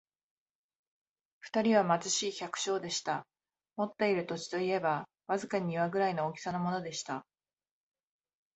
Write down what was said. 二人は貧しい百姓でした。持っている土地といえば、わずかに庭ぐらいの大きさのものでした。